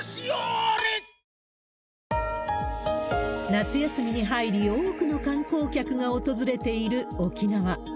夏休みに入り、多くの観光客が訪れている沖縄。